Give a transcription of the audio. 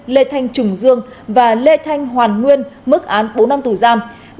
lê thanh trùng dương và lê thanh hoàn nguyên mức án bốn năm tù giam